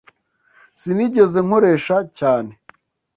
Sinigeze nkoresha cyane.